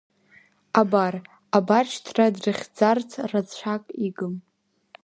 Абар, абар шьҭа дрыхьӡарц рацәак игым.